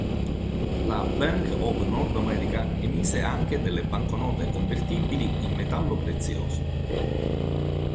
La Bank of North America emise anche delle banconote convertibili in metallo prezioso.